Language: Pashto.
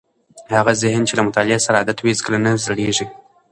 هغه ذهن چې له مطالعې سره عادت وي هیڅکله نه زړېږي.